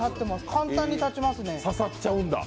簡単に立ちますね。